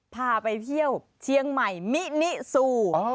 พาไปเที่ยวเชียงใหม่มินิซู